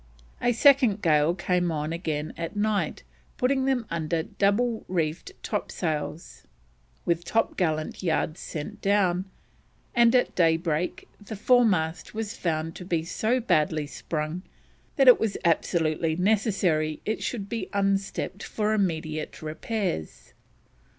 A second gale came on again at night, putting them under double reefed topsails, with topgallant yards sent down, and at daybreak the fore mast was found to be so badly sprung that it was absolutely necessary it should be unstepped for immediate repairs.